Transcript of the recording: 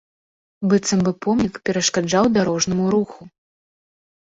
Быццам бы помнік перашкаджаў дарожнаму руху.